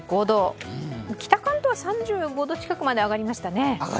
北関東は３５度近くまで上がりましたね。